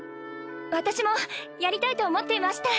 私もやりたいと思っていました。